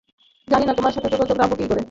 জানি না তোমার সাথে যোগাযোগ রাখব কী করে।